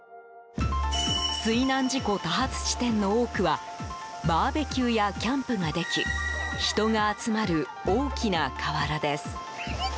水難事故多発地点の多くはバーベキューやキャンプができ人が集まる大きな河原です。